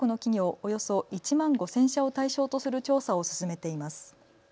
およそ１万５０００社を対象とする調査を進めています。